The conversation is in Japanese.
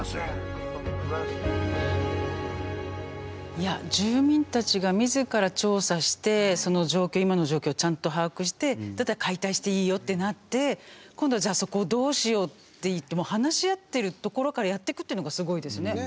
いや住民たちが自ら調査してその状況今の状況をちゃんと把握してだったら解体していいよってなって今度はじゃあそこをどうしようって言ってもう話し合ってるところからやってくっていうのがすごいですね。